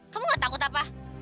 kamu gak takut apa